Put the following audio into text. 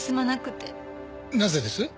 なぜです？